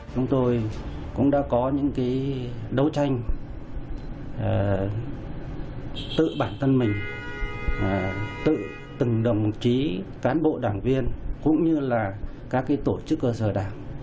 chúng tôi cũng đã có những đấu tranh tự bản thân mình tự từng đồng chí cán bộ đảng viên cũng như là các tổ chức cơ sở đảng